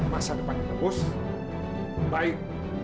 masa depannya bagus baik